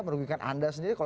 merugikan anda sendiri